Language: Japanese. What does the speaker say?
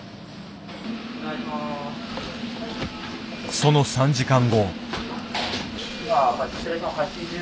その３時間後。